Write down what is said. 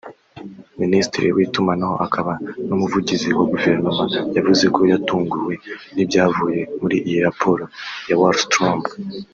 minisitiri w’itumanaho akaba n’umuvugizi wa guverinoma yavuze ko yatunguwe n’ibyavuye muri iyi raporo ya Wallström